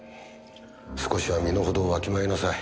少しは身の程をわきまえなさい。